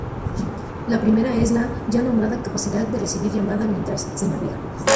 La primera es la, ya nombrada capacidad de recibir llamada mientras se navega.